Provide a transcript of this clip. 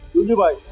đúng như vậy